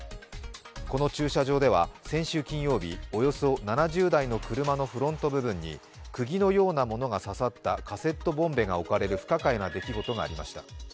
この駐車場では先週金曜日、およそ７０台の車のフロント部分にくぎのようなものが刺さったカセットボンベが置かれる不可解な出来事がありました。